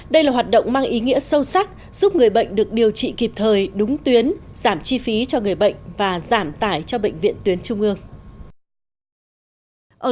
đây là hoạt động mang ý nghĩa sâu sắc giúp người bệnh được điều trị kịp thời đúng tuyến giảm chi phí cho người bệnh và giảm tải cho bệnh viện tuyến trung ương